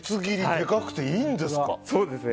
でかくていいんですか？